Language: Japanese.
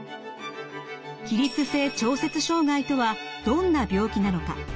起立性調節障害とはどんな病気なのか？